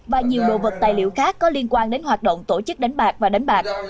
và nhiều đồ vật tài liệu khác có liên quan đến hoạt động tổ chức đánh bạc và đánh bạc